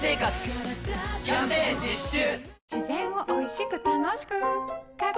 キャンペーン実施中！